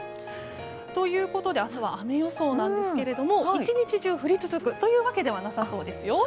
ということで明日は雨予想なんですが１日中降り続くというわけではなさそうですよ。